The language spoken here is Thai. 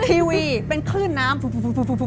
ทีวีเป็นคลื่นน้ำสูง